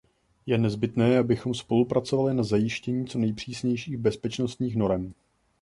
Je nezbytné, abychom spolupracovali na zajištění co nejpřísnějších bezpečnostních norem.